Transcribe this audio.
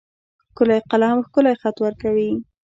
ښکلی قلم ښکلی خط ورکوي.